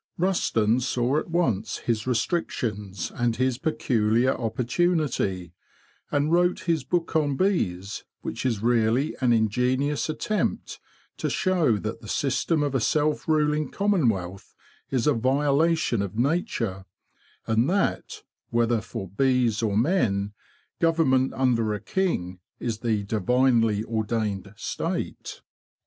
Rusden saw at once his restrictions and his peculiar oppor tunity, and wrote his book on bees, which is really an ingenious attempt to show that the system of a self ruling commonwealth is a violation of nature, and that, whether for bees or men, government under a king is the divinely ordained state.